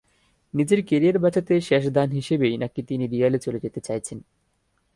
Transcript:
নিজের ক্যারিয়ার বাঁচাতে শেষ দান হিসেবেই নাকি তিনি রিয়ালে চলে যেতে চাইছেন।